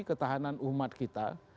ketahanan umat kita